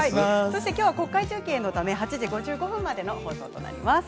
きょうは国会中継のため８時５５分までの放送となります。